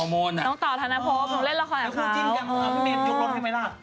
น้องต่อพี่เมียยกรถให้ไหมล่ะ